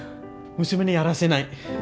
娘にやらせない。